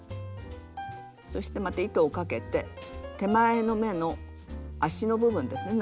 そしてまた糸をかけて手前の目の足の部分ですね